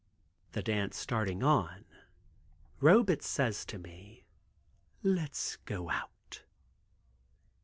The dance starting on, Robet says to me, "Let's go out."